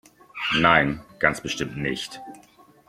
Nein, ganz bestimmt nicht!